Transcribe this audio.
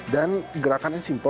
dan gerakannya simple